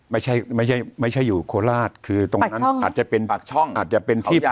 ไม่ใช่ไม่ใช่ไม่ใช่อยู่โคราชคือตรงนั้นอาจจะเป็นอาจจะเป็น